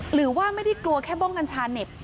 หรือว่าไม่ได้กลัวแค่บ้องกัญชาเน็บ